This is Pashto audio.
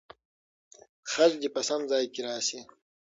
خج دې په سم ځای کې راسي.